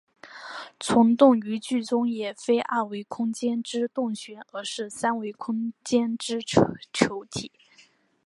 虫洞于剧中也非二维空间之洞穴而是三维空间之球体。